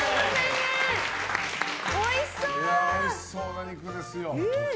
おいしそうな肉ですよ。